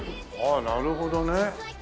ああなるほどね。